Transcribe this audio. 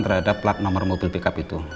terhadap plat nomor mobil pickup itu